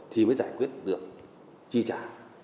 thì mới giải quyết được chi trả